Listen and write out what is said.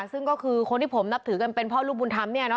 ซึ่งก็คือคนที่ผมนับถือกันเป็นพ่อลูกบุญธรรม